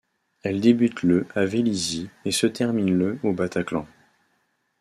Elle débute le à Vélizy et se termine le au Bataclan.